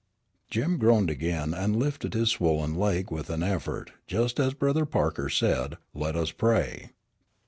Jim groaned again, and lifted his swollen leg with an effort just as Brother Parker said, "Let us pray."